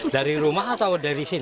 dari rumah atau dari sini